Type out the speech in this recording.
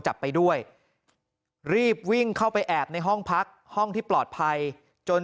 จับไปด้วยรีบวิ่งเข้าไปแอบในห้องพักห้องที่ปลอดภัยจน